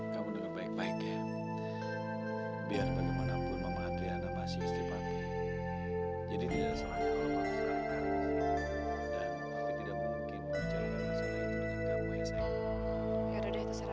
bapak pasti pengen balik lagi sama adriana